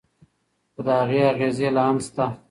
خو د هغې اغیزې لا هم شته.